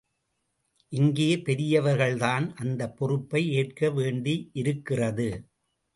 இங்கே பெரியவர்கள்தான் அந்தப் பொறுப்பை ஏற்க வேண்டியிருக்கிறது.